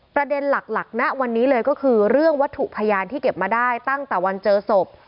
ประเด็นหลักณวันนี้เลยก็คือเรื่องวัตถุพยานที่เก็บมาได้ตั้งแต่วันเจอศพ